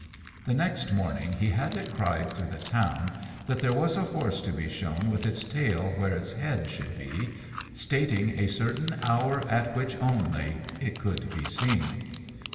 The next morning he had it cried through the town that there was a horse to be shown with its tail where its head should be, stating a certain hour at which only it could be seen.